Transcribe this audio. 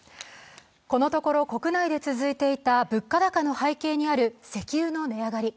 このところ、国内で続いていた物価高の背景にある石油の根上がり。